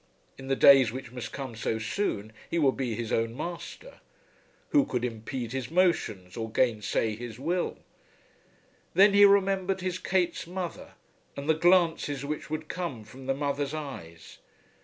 In the days which must come so soon, he would be his own master. Who could impede his motions or gainsay his will? Then he remembered his Kate's mother, and the glances which would come from the mother's eyes.